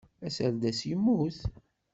Aserdas yemmut.